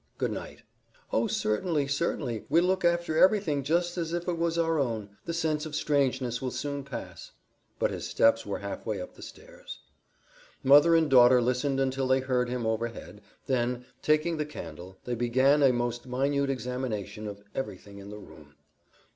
Good night." "Oh, certainly, certainly! We'll look after everything just as if it was our own. The sense of strangeness will soon pass " But his steps were halfway up the stairs. Mother and daughter listened until they heard him overhead, then, taking the candle, they began a most minute examination of everything in the room.